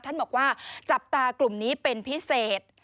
ท่านบอกว่าจับตากลุ่มนี้เป็นพิเศษ